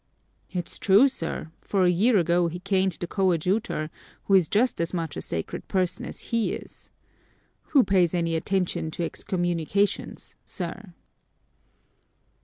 "It's true, sir, for a year ago he caned the coadjutor, who is just as much a sacred person as he is. Who pays any attention to excommunications, sir?"